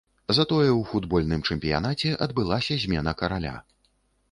Затое ў футбольным чэмпіянаце адбылася змена караля.